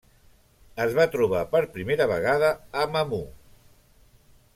Es va trobar per primera vegada a Mamou.